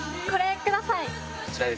これ１つください。